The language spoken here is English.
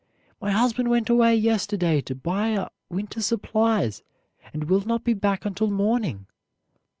"My husband went away yesterday to buy our winter supplies, and will not be back until morning."